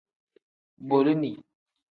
Bolini.